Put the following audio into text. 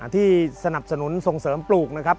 ที่สนับสนุนส่งเสริมปลูกนะครับ